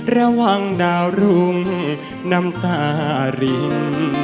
ระวังดาวรุงน้ำตาริน